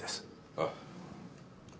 ああ。